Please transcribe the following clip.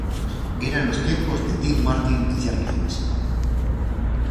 Eran los tiempos de Dean Martin y Jerry Lewis.